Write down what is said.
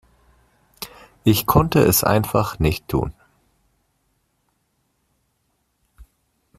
Ich konnte es einfach nicht tun.